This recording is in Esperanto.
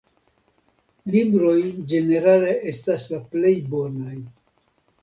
Libroj ĝenerale estas la plej bonaj.